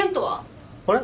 あれ？